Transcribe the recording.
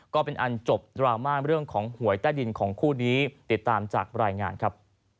ก็เป็นอันจบดราม่าเรื่องของหวยใต้ดินของคู่นี้ติดตามจากรายงานครับ